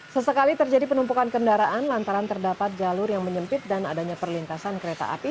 sesekali terjadi penumpukan kendaraan lantaran terdapat jalur yang menyempit dan adanya perlintasan kereta api